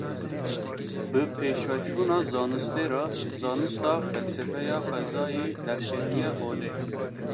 Bi pêşveçûna zanistê re, zanista felsefeya xwezayê derketiye holê